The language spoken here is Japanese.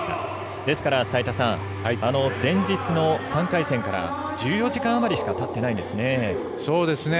ですから、齋田さん前日の３回戦から１４時間あまりしかたっていないんですね。